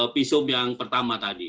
pisum yang pertama tadi